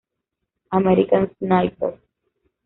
American Sniper